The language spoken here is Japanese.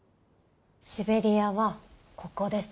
シベリアはここです。